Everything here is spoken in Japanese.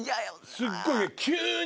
すっごい。